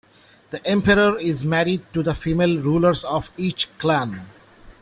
The Emperor is married to the female rulers of each clan.